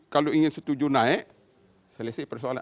kalau ingin setuju naik selesai persoalan